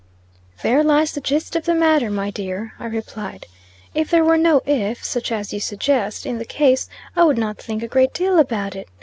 "There lies the gist of the matter, my dear," I replied. "If there were no 'if,' such as you suggest, in the case, I would not think a great deal about it.